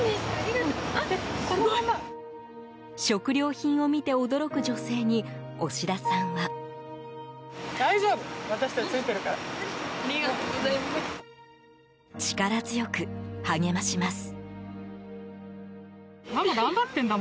食料品を見て驚く女性に押田さんは。力強く励まします。